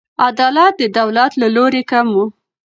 عدالت د دولت له لوري کم و.